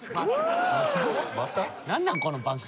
何なんこの番組。